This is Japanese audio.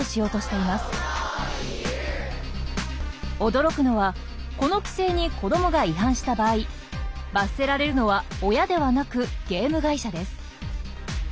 驚くのはこの規制に子供が違反した場合罰せられるのは親ではなくゲーム会社です。